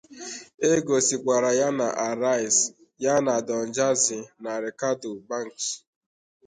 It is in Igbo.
E gosikwara ya na "Arise", ya na Don Jazzy na Reekado Banks.